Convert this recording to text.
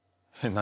何？